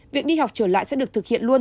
việc đi học trở lại sẽ được thực hiện luôn